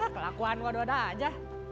kelakuan waduh ada aja